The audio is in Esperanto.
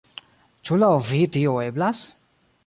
Ĉu laŭ vi tio eblas?